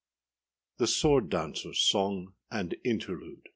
THE SWORD DANCERSâ SONG AND INTERLUDE.